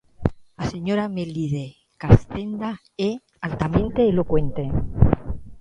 A señora Melide Castenda é altamente elocuente.